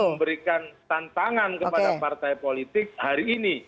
memberikan tantangan kepada partai politik hari ini